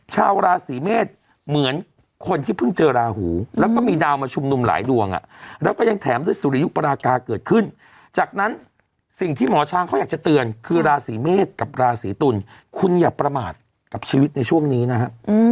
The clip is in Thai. ชาวราศีเมษเหมือนคนที่เพิ่งเจอราหูแล้วก็มีดาวมาชุมนุมหลายดวงแล้วก็ยังแถมด้วยสุริยุปรากาเกิดขึ้นจากนั้นสิ่งที่หมอช้างเขาอยากจะเตือนคือราศีเมษกับราศีตุลคุณอย่าประมาทกับชีวิตในช่วงนี้นะฮะ